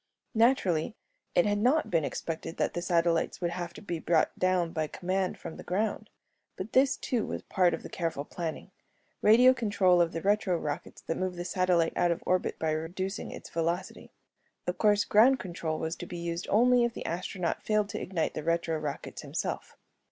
Naturally, it had not been expected that the satellites would have to be brought down by command from the ground. But this, too, was part of the careful planning radio control of the retro rockets that move the satellite out of orbit by reducing its velocity. Of course, ground control was to be used only if the astronaut failed to ignite the retro rockets himself.